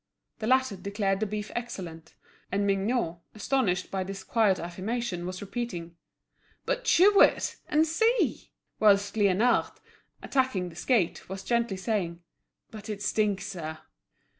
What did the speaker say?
The latter declared the beef excellent; and Mignot, astounded by this quiet affirmation, was repeating, "But chew it, and see;" whilst Liénard, attacking the skate, was gently saying, "But it stinks, sir!"